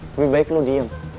lebih baik lo diem